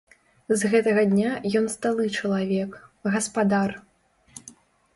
З гэтага дня ён сталы чалавек, гаспадар.